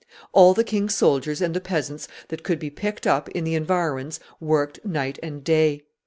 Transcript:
All the king's soldiers and the peasants that could be picked up in the environs worked night and day.